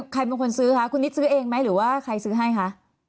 ใครเป็นคนซื้อคะคุณนิดซื้อเองไหมหรือว่าใครซื้อให้คะ